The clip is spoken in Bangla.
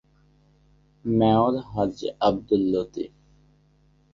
মেয়র- হাজী আবদুল লতিফ।